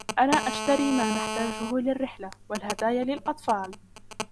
أنا أشتري ما نحتاجهُ للرحلة, والهدايا للأطفال.